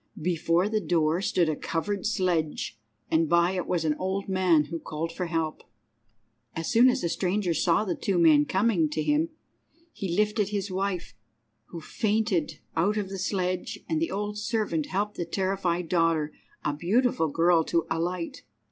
Before the door stood a covered sledge, and by it was an old man who called for help. As soon as the stranger saw the two men coming to him, he lifted his wife, who had fainted, out of the sledge, and the old servant helped the terrified daughter, a beautiful girl, to alight.